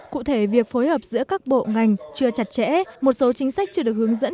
cụ thể việc phối hợp giữa các bộ ngành chưa chặt chẽ một số chính sách chưa được hướng dẫn